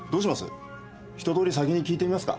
一とおり先に聞いてみますか？